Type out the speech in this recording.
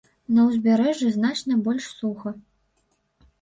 На ўзбярэжжы значна больш суха.